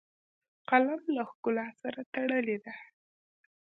قلم له ښکلا سره تړلی دی